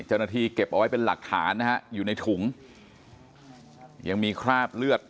เจ้าหน้าที่เก็บเอาไว้เป็นหลักฐานนะฮะอยู่ในถุงยังมีคราบเลือด